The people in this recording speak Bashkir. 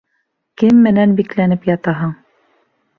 Кем менән бикләнеп ятаһың?